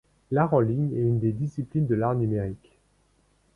L'art en ligne est l'une des disciplines de l'art numérique.